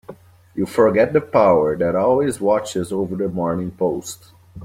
You forget the power that always watches over the Morning Post.